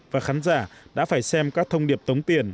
và khán giả đã phải xem các thông điệp tống tiền